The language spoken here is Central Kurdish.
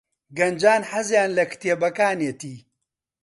گەنجان حەزیان لە کتێبەکانیەتی.